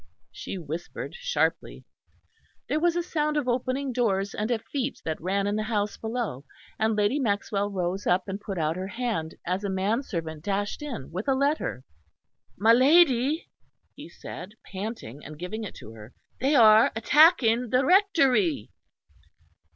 she whispered sharply. There was a sound of opening doors, and of feet that ran in the house below; and Lady Maxwell rose up and put out her hand, as a man servant dashed in with a letter. "My lady," he said panting, and giving it to her, "they are attacking the Rectory."